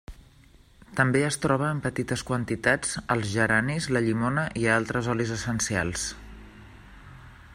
També es troba en petites quantitats als geranis, la llimona, i a altres olis essencials.